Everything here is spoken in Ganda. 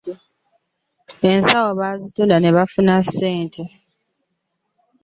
Enswa bazitunda ne bafunamu ssente.